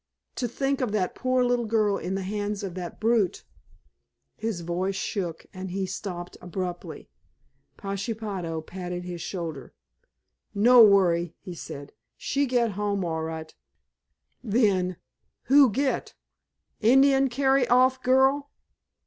To think of that poor little girl in the hands of that brute——" His voice shook, and he stopped abruptly. Pashepaho patted his shoulder. "No worry," he said. "She get home all ri'." Then, "Who get? Indian carry off girl?"